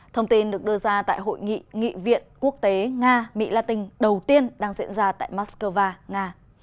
thông tin được đưa ra tại hội nghị nghị viện quốc tế nga mỹ latin đầu tiên đang diễn ra tại moscow nga